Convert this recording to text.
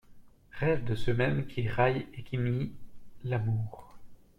Rêve de ceux mêmes qui raillent et qui nient l’amour.